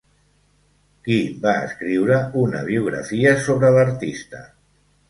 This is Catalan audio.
Qui va escriure una biografia sobre l'artista?